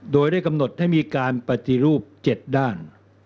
โดยได้กำหนดให้มีการปฏิรูป๗ด้าน